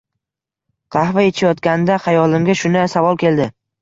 Qahva ichayotganda xayolimga shunday savol keldi: